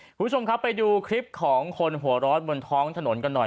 คุณผู้ชมครับไปดูคลิปของคนหัวร้อนบนท้องถนนกันหน่อย